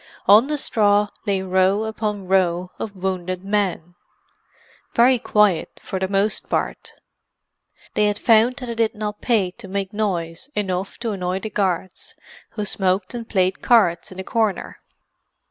On the straw lay row upon row of wounded men—very quiet for the most part; they had found that it did not pay to make noise enough to annoy the guards who smoked and played cards in a corner.